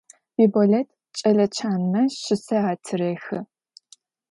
Биболэт кӏэлэ чанмэ щысэ атырехы.